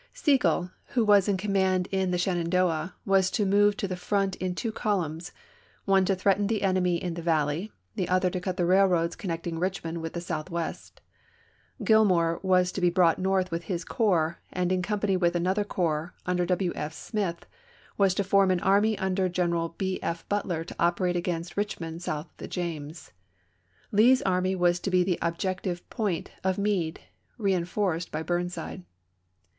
Sigel, who was in command in the Shenandoah, was to move to the front in two columns, one to threaten the enemy in the valley, the other to cut the railroads connecting Eichmond with the Southwest. Grillmore was to be brought north with his corps, and in company with another corps, under W. F. Smith, was to form an army under General B. F. Butler to operate against Richmond south of the James. Lee's army was to be the objective point of Meade, reenforced by Bm^nside.